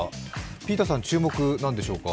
ピーターさん、注目何でしょうか？